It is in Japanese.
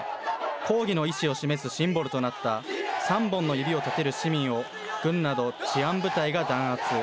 抗議の意志を示すシンボルとなった、３本の指を立てる市民を、軍など治安部隊が弾圧。